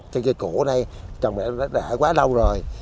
cây trà cổ này trồng đã quá lâu rồi